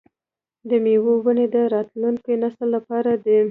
د میوو ونې د راتلونکي نسل لپاره دي.